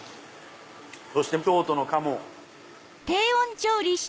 そして京都の鴨。